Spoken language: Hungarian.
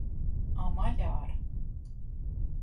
A magyar!